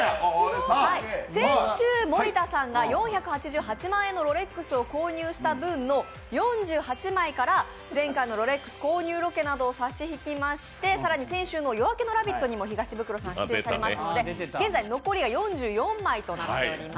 先週、森田さんが４８８万円のロレックスを購入した分の４８枚の前回のロレックス購入ロケなどを差し引きまして、更に先週の「夜明けのラヴィット！」にも東ブクロさん出演されましたので、現在、残りが４４枚となっております。